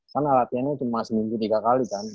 karena latihannya cuma seminggu tiga kali kan